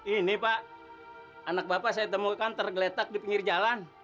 ini pak anak bapak saya temukan tergeletak di pinggir jalan